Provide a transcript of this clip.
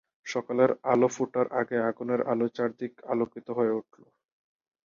সকালের আলো ফোটার আগেই আগুনের আলোয় চারদিক আলোকিত হয়ে উঠল।